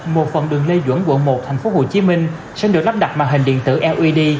một phần đường lê duẩn quận một tp hcm sẽ được lắp đặt màn hình điện tử led